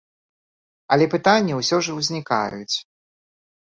Але пытанні ўсё ж узнікаюць.